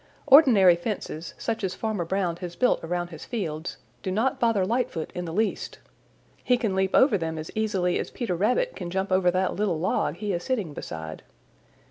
Ordinary fences, such as Farmer Brown has built around his fields, do not bother Lightfoot in the least. He can leap over them as easily as Peter Rabbit can jump over that little log he is sitting beside.